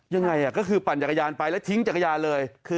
ยังไงก็คือปั่นจักรยานไปแล้วทิ้งจักรยานเลย